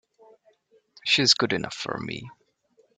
She's good enough for me!